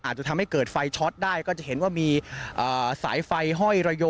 อาจจะทำให้เกิดไฟช็อตได้ก็จะเห็นว่ามีสายไฟห้อยระโย